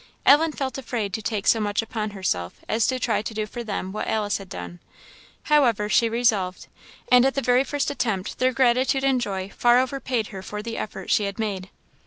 Ellen felt afraid to take so much upon herself as to try to do for them what Alice had done; however, she resolved; and at the very first attempt their gratitude and joy far overpaid her for the effort she had made.